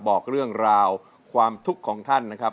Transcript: บอกเรื่องราวความทุกข์ของท่านนะครับ